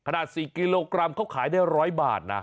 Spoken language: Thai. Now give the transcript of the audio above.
๔กิโลกรัมเขาขายได้๑๐๐บาทนะ